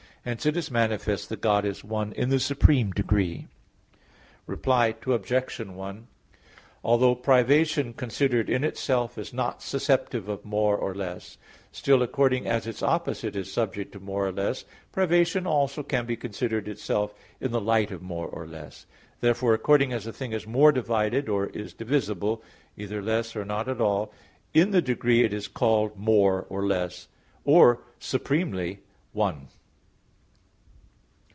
7). Hence it is manifest that God is one in the supreme degree. Reply Obj. 1: Although privation considered in itself is not susceptive of more or less, still according as its opposite is subject to more or less, privation also can be considered itself in the light of more and less. Therefore according as a thing is more divided, or is divisible, either less or not at all, in the degree it is called more, or less, or supremely, _one.